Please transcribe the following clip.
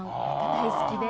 大好きで。